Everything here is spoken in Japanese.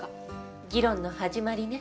議論の始まりね。